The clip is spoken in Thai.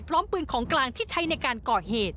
พร้อมปืนของกลางที่ใช้ในการก่อเหตุ